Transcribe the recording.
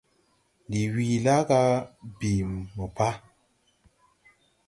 Ndi wii laa ga bii mo pa.